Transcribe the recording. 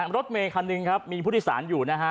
รถเมคันหนึ่งครับมีผู้โดยสารอยู่นะฮะ